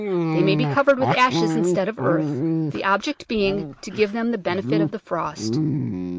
They may be covered with ashes instead of earth, the object being to give them the benefit of the frost.